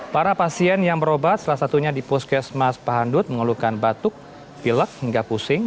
para pasien yang berobat salah satunya di puskesmas pahandut mengeluhkan batuk pilek hingga pusing